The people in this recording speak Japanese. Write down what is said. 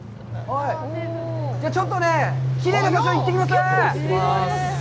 ちょっとね、きれいな場所、行ってきます！